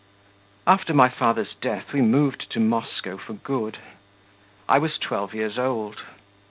After my father's death we moved to Moscow for good. I was twelve years old.